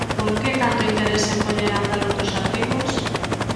¿Por que tanto interese en poñer a andar outros artigos?